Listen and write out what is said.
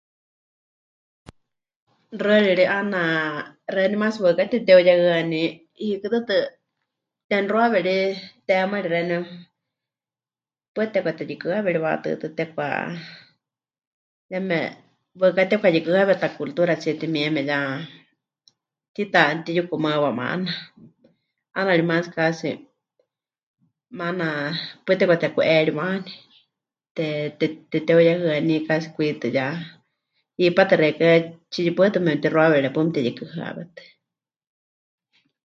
Xɨari ri 'aana xeeníu maatsi waɨká tepɨteheuyehɨaní, hiikɨ tɨtɨ temɨxuawe ri teemari xeeníu, paɨ tepɨkateyukɨhɨawe ri waʼatɨɨ́atɨ, tepɨka... yeme waɨká tepɨkayukɨhɨawe taculturatsie timieme, ya tiita mɨtiyukɨmaɨwa maana. 'Aana ri maatsi casi, maana paɨ tepɨkateku'eriwani, te... te... tepɨteheuyehɨaní casi kwitɨ ya, hipátɨ xeikɨ́a, tsiyupaɨtɨ mepɨtixuawere paɨ meteyukɨhɨawetɨ.